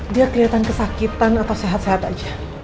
dia kelihatan kesakitan atau sehat sehat aja